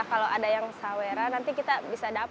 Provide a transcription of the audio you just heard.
kalau ada yang sawera nanti kita bisa dapat